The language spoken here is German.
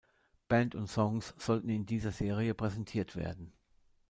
Band und Songs sollten in dieser Serie präsentiert werden.